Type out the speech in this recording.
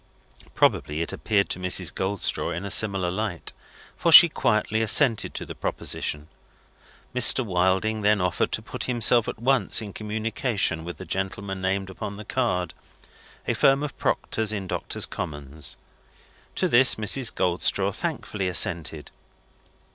Probably it appeared to Mrs. Goldstraw in a similar light, for she quietly assented to the proposition. Mr. Wilding then offered to put himself at once in communication with the gentlemen named upon the card: a firm of proctors in Doctors' Commons. To this, Mrs. Goldstraw thankfully assented.